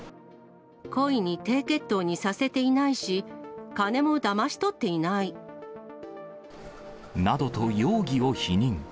故意に低血糖にさせていないなどと、容疑を否認。